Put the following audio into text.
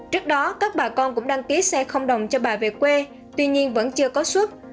trước đó các bà con cũng đăng ký xe không đồng cho bà về quê tuy nhiên vẫn chưa có xuất